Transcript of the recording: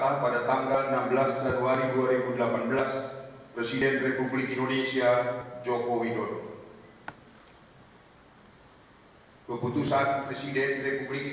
lalu kebangsaan indonesia baik